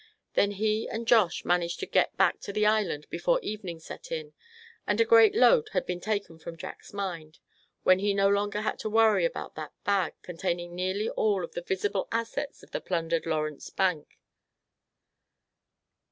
Then he and Josh managed to get back to the island before evening set in; and a great load had been taken from Jack's mind, when he no longer had to worry about that bag containing nearly all of the visible assets of the plundered Lawrence bank.